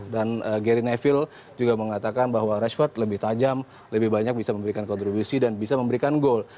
dan gary neville juga mengatakan bahwa rashford lebih tajam lebih banyak bisa memberikan kontribusi dan bisa memberikan gol